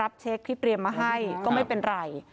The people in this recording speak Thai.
เช็คที่เตรียมมาให้ก็ไม่เป็นไร